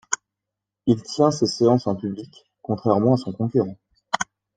Il tient ses séances en public, contrairement à son concurrent.